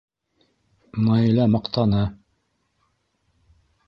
Наилә маҡтаны.